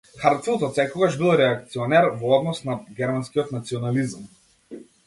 Хартфилд отсекогаш бил реакционер во однос на германскиот национализам.